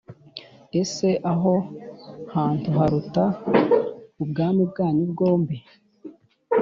Ese aho hantu haruta ubwami bwanyu bwombi